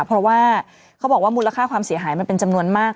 เพราะว่าเขาบอกว่ามูลค่าความเสียหายมันเป็นจำนวนมาก